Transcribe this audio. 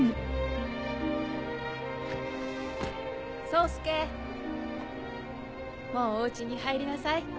・宗介・もうお家に入りなさい。